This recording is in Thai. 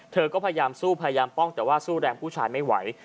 เธอก็พยายามสู้พยายามป้องแต่ว่าสู้แรงผู้ชายไม่ไหว